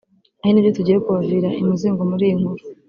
ari nabyo tugiye kubavira imuzingo muri iyi nkuru